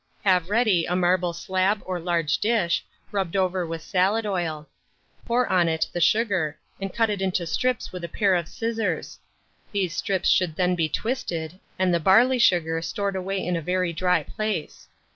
Have ready a marble slab or large dish, rubbed over with salad oil; pour on it the sugar, and cut it into strips with a pair of scissors: these strips should then be twisted, and the barley sugar stored away in a very dry place.